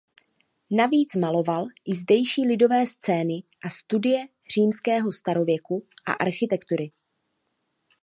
Navíc maloval i zdejší lidové scény a studie římského starověku a architektury.